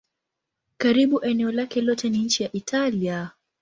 Karibu eneo lake lote ni nchi ya Italia.